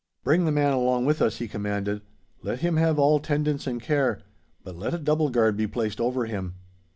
'Bring the man along with us!' he commanded. 'Let him have all tendance and care; but let a double guard be placed over him.